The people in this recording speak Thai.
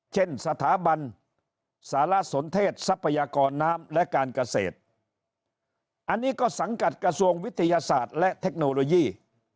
เช่นสถาบันสารสนเทศทรัพยากรน้ำและการเกษตรอันนี้ก็สังกัดกระทรวงวิทยาศาสตร์และเทคโนโลยี